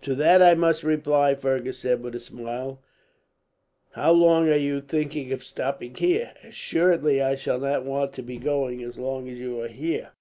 "To that I must reply," Fergus said with a smile, "'How long are you thinking of stopping here?' Assuredly I shall not want to be going, as long as you are here.